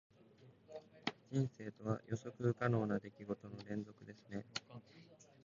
人生とは、予測不可能な出来事の連続ですね。